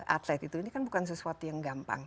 atlet itu ini kan bukan sesuatu yang gampang